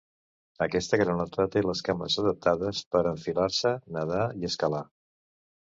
Aquesta granota té les cames adaptades per a enfilar-se, nadar i escalar.